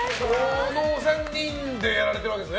この３人でやられているわけですね。